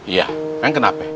iya yang kenapa